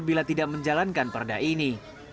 bila tidak menjalankan perda ini